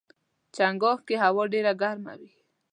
چنګاښ کې هوا ډېره ګرمه وي.